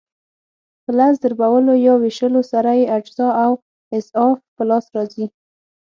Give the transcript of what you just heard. په لس ضربولو یا وېشلو سره یې اجزا او اضعاف په لاس راځي.